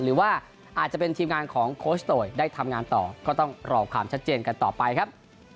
หรือว่าอาจจะเป็นทีมงานของโคชโตยได้ทำงานต่อก็ต้องรอความชัดเจนกันต่อไปครับ